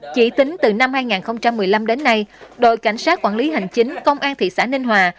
chỉ tính từ năm hai nghìn một mươi năm đến nay đội cảnh sát quản lý hành chính công an thị xã ninh hòa